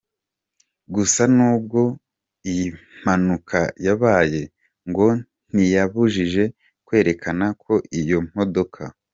Gusa nubwo iyi mpanuaka yabaye ngo ntiyabujije kwerekana ko iyo modoka.